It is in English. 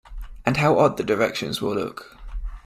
And how odd the directions will look!